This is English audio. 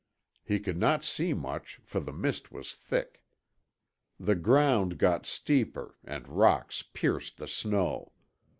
He could not see much, for the mist was thick. The ground got steeper and rocks pierced the snow.